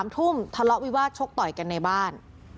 ๓ทุ่มทะเลาะวิวาสชกต่อยกันในบ้าน